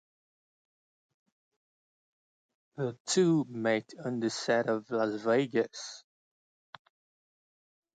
The two met on the set of "Las Vegas".